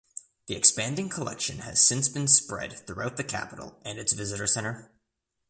The expanding collection has since been spread throughout the Capitol and its Visitor Center.